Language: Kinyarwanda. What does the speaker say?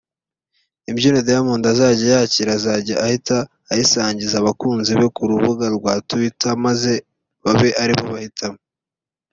Imbyino Diamond azajya yakira azajya ahita ayisangiza abakunzi be ku rubuga rwa twitter maze babe aribo bahitamo